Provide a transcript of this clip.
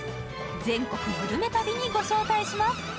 全国グルメ旅にご招待します。